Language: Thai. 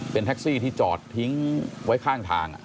เป็นแท็กซี่ที่จอดทิ้งไว้ข้างทาง